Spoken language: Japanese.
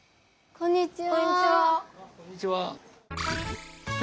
こんにちは。